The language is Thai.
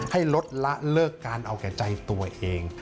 ให้ลดละเลิกการเอาแก่ใจตัวเอง